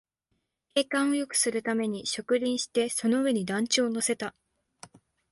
景観をよくするために植林して、その上に団地を乗せた